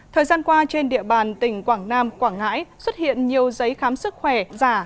thời gian qua trên địa bàn tỉnh quảng nam quảng ngãi xuất hiện nhiều giấy khám sức khỏe giả